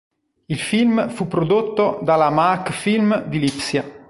Il film fu prodotto dalla Maak-Film di Lipsia.